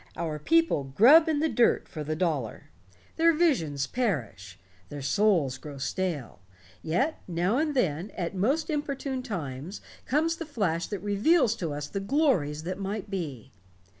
"Our people grub in the dirt for the dollar. Their visions perish. Their souls grow stale. Yet, now and then, at most inopportune times, comes the flash that reveals to us the glories that might be.